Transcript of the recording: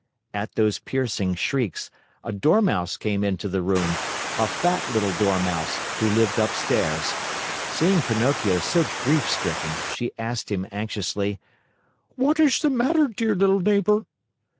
At those piercing shrieks, a Dormouse came into the room, a fat little Dormouse, who lived upstairs. Seeing Pinocchio so grief stricken, she asked him anxiously: "What is the matter, dear little neighbor?"